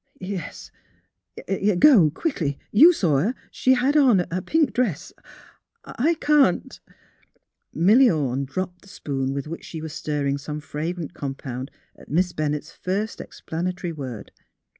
'' Yes; go — go, quick! You saw her — she had on a pink dress; I — can't " Milly Orne dropped the spoon with which she was stirring some fragrant compound, at Miss Bennett's first explanatory word.